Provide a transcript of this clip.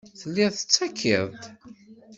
Tellid tettakid-d.